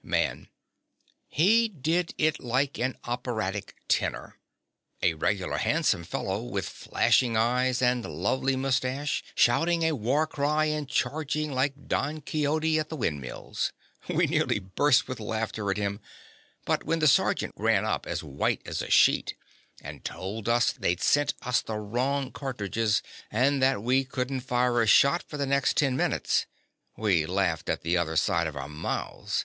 MAN. He did it like an operatic tenor—a regular handsome fellow, with flashing eyes and lovely moustache, shouting a war cry and charging like Don Quixote at the windmills. We nearly burst with laughter at him; but when the sergeant ran up as white as a sheet, and told us they'd sent us the wrong cartridges, and that we couldn't fire a shot for the next ten minutes, we laughed at the other side of our mouths.